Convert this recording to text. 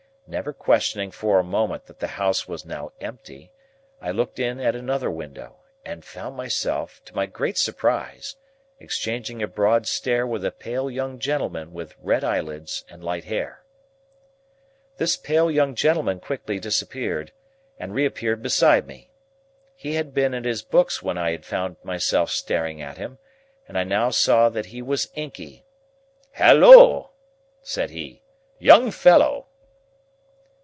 Never questioning for a moment that the house was now empty, I looked in at another window, and found myself, to my great surprise, exchanging a broad stare with a pale young gentleman with red eyelids and light hair. This pale young gentleman quickly disappeared, and reappeared beside me. He had been at his books when I had found myself staring at him, and I now saw that he was inky. "Halloa!" said he, "young fellow!"